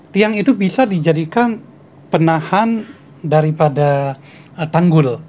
tiang itu bisa dijadikan penahan daripada tanggul